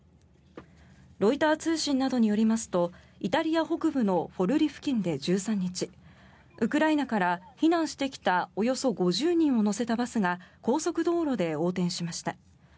ロイター通信などによりますとイタリア北部のフォルリ付近で１３日ウクライナから避難してきたおよそ５０人を乗せたバスが高速道路で横転しました。